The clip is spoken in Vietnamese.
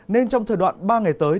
nên trong thời đoạn ba ngày tới